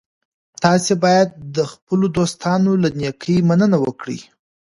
تاسي باید د خپلو دوستانو له نېکۍ مننه وکړئ.